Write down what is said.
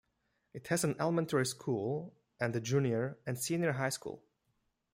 It has an elementary school, and a junior and senior high school.